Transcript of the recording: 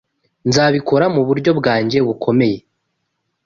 Nzabikora muburyo bwanjye bukomeye.